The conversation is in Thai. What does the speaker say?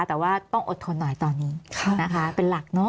แต่ว่าต้องอดทนหน่อยตอนนี้นะคะเป็นหลักเนอะ